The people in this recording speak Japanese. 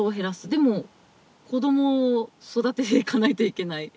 でも子どもを育てていかないといけない。